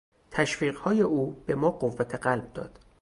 تشویقهای او به ما قوت قلب داد.